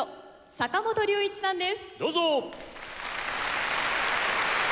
坂本龍一さんです。